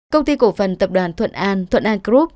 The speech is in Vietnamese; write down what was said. công ty cổ phần tập đoàn thuận an thuận an group